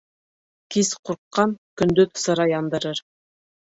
Кис ҡурҡҡан көндөҙ сыра яндырыр.